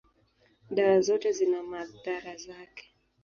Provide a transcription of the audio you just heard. dawa zote zina madhara yake.